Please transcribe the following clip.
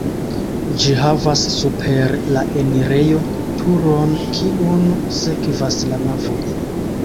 Ĝi havas super la enirejo turon, kiun sekvas la navo.